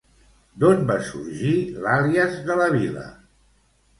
D'on va sorgir l'àlies de la vila?